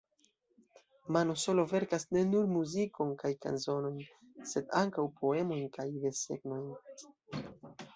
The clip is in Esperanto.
Mano Solo verkas ne nur muzikon kaj kanzonojn sed ankaŭ poemojn kaj desegnojn.